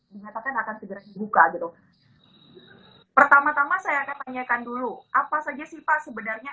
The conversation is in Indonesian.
dinyatakan akan segera dibuka gitu pertama tama saya akan tanyakan dulu apa saja sih pak sebenarnya